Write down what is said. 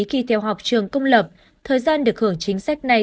khi theo học trường công lập thời gian được hưởng chính sách này